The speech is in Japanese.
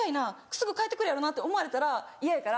すぐ返って来るやろなって思われたら嫌やから。